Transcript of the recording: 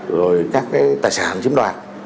rồi các cái tài sản chiếm đoạn